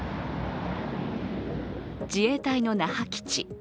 自衛隊の那覇基地。